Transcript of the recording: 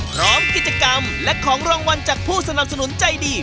พร้อมกิจกรรมและของรางวัลจากผู้สนับสนุนใจดี